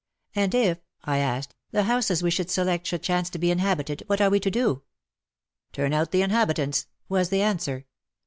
" And if," I asked, '* the houses we should select should chance to be inhabited — what are we to do ?" "Turn out the inhabitants," was the answer.